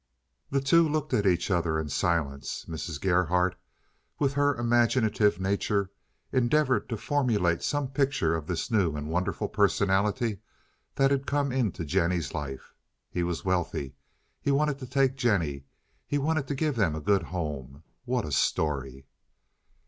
The two looked at each other in silence. Mrs. Gerhardt, with her imaginative nature, endeavored to formulate some picture of this new and wonderful personality that had come into Jennie's life. He was wealthy; he wanted to take Jennie; he wanted to give them a good home. What a story!